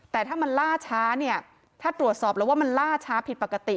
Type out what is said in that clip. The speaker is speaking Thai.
แต่ถ้ามันล่าช้าเนี่ยถ้าตรวจสอบแล้วว่ามันล่าช้าผิดปกติ